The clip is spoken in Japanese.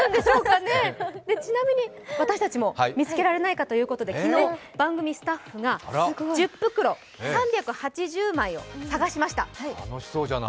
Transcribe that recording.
ちなみに私たちも見つけられないかということで昨日、番組スタッフが１０袋、３８０枚を探しました。